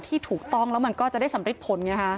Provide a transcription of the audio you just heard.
ที่ถูกต้องแล้วมันก็จะได้สำริดผลไงฮะ